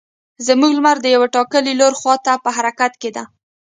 زموږ لمر د یو ټاکلي لور خوا ته په حرکت کې ده.